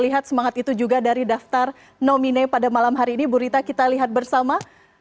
lihat semangat itu juga dari daftar nomine pada malam hari ini bu rita kita lihat bersama